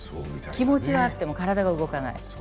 気持ちはあっても体が動かない。